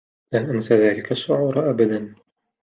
لن أنسى ذلك الشعور أبدا.